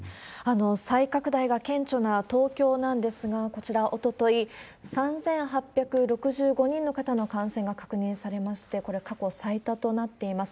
再拡大が顕著な東京なんですが、こちら、おととい、３８６５人の方の感染が確認されまして、これ、過去最多となっています。